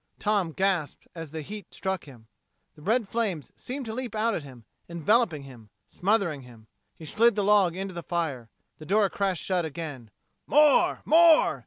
Tom gasped as the heat struck him. The red flames seemed to leap out at him, enveloping him, smothering him. He slid the log into the fire. The door crashed shut again. "More! More!"